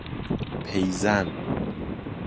پی زن